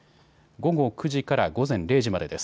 午後９時から午前０時までです。